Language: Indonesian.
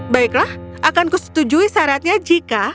baiklah akanku setujui syaratnya jika